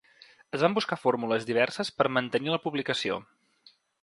Es van buscar fórmules diverses per mantenir la publicació.